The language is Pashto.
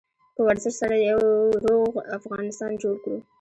په ورزش سره یو روغ افغانستان جوړ کړو.